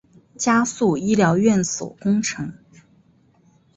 加速医疗院所工程